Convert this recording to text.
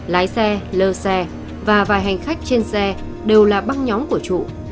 lái xe lơ xe và vài hành khách trên xe đều là băng nhóm của chủ